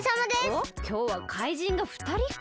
おっきょうはかいじんがふたりか。